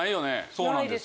そうなんです